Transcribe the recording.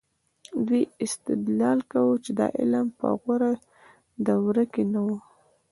دوی استدلال کاوه چې دا علم په غوره دوره کې نه و.